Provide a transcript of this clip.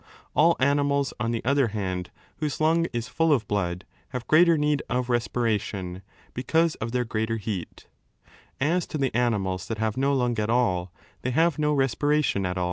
All animals, on the other hand, whose lung is full of blood, have greater need of respiration, because of their greater heat As to the animals that have no lung at all, they have no respiration at all.